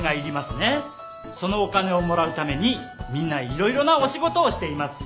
そのお金をもらうためにみんな色々なお仕事をしています。